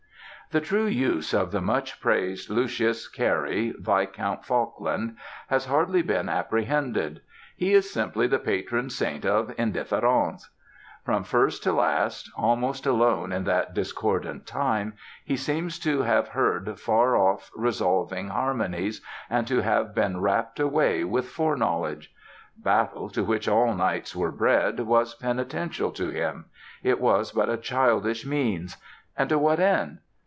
The true use of the much praised Lucius Cary, Viscount Falkland, has hardly been apprehended: he is simply the patron saint of indifférents. From first to last, almost alone in that discordant time, he seems to have heard far off resolving harmonies, and to have been rapt away with foreknowledge. Battle, to which all knights were bred, was penitential to him. It was but a childish means: and to what end?